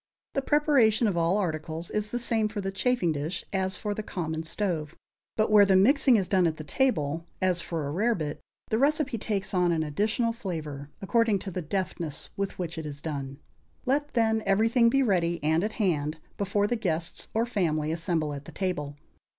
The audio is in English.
The preparation of all articles is the same for the chafing dish as for the common stove; but where the mixing is done at the table, as for a rarebit, the recipe takes on an additional flavor, according to the deftness with which it is done. Let, then, everything be ready and at hand, before the guests or family assemble at the table.